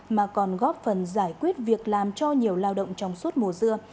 mà còn góp phần giải quyết việc làm cho nhiều lao động trong suốt mùa dưa